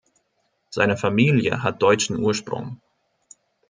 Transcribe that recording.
Seine Familie hat deutschen Ursprung.